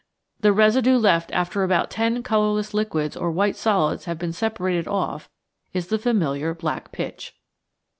The residue left after about ten colourless liquids or white solids have been separated off is the familiar black pitch.